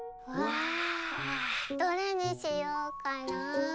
どれにしようかな。